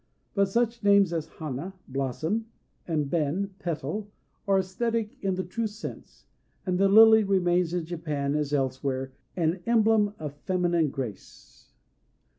But such names as Hana ("Blossom ") and Ben ("Petal") are æsthetic in the true sense; and the Lily remains in Japan, as elsewhere, an emblem of feminine grace.